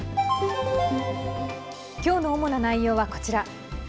きょうの主な内容はこちら。